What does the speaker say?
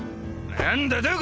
何だとぉ